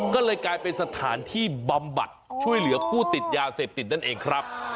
ก็เลยกลายเป็นสถานที่บำบัดช่วยเหลือผู้ติดยาเสพติดนั่นเองครับ